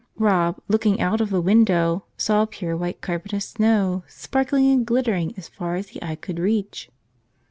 Rob, looking out of the window, saw a pure white carpet of snow, sparkling and glittering as far as the eye could reach.